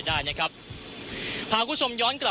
คุณทัศนาควดทองเลยค่ะ